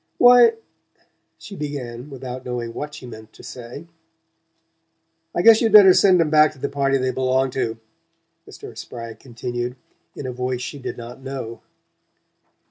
"Why " she began, without knowing what she meant to say. "I guess you better send 'em back to the party they belong to," Mr. Spragg continued, in a voice she did not know.